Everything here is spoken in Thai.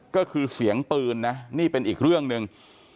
ก็คือเสียงปืนนะนี่เป็นอีกเรื่องหนึ่ง